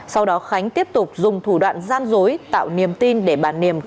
sau đó khánh tiếp tục dùng thủ đoạn gian dối tạo niềm tin để bà niềm